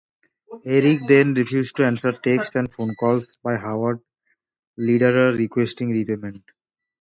Erick then refused to answer texts and phone calls by Howard Lederer requesting repayment.